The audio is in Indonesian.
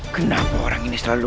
kenapa orang ini selalu